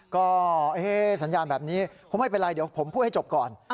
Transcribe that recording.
ก็สัญญาณแบบนี้คงไม่เป็นไรเดี๋ยวผมพูดให้จบก่อน